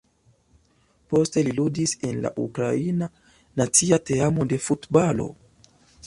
Poste li ludis en la Ukraina nacia teamo de futbalo.